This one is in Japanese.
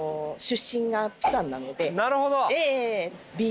なるほど。